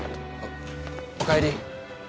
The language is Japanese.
お帰り。